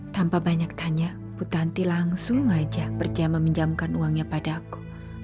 tanpa banyak tanya putanti langsung aja berjaya meminjamkan uangnya pada aku